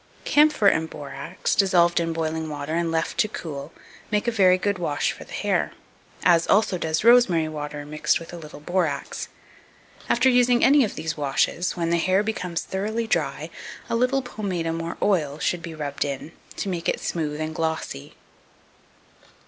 Camphor and borax, dissolved in boiling water and left to cool, make a very good wash for the hair; as also does rosemary water mixed with a little borax. After using any of these washes, when the hair becomes thoroughly dry, a little pomatum or oil should be rubbed in, to make it smooth and glossy.